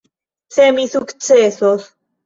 Se mi sukcesos.